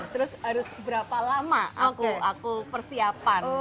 terus harus berapa lama aku persiapan